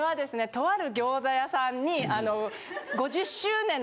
とある餃子屋さんにあの。